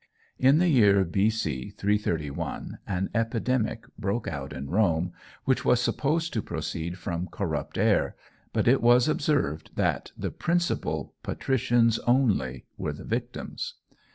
In the year B.C. 331 an epidemic broke out in Rome which was supposed to proceed from corrupt air, but it was observed that the principal patricians only were the victims.